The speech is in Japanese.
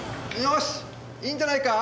よしいいんじゃないか？